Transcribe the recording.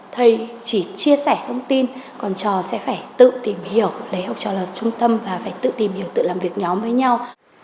thầy chỉ chia sẻ thông tin còn trò sẽ phải tự tìm hiểu lấy học trò là trung tâm và phải tự tìm hiểu tự làm việc nhóm với nhau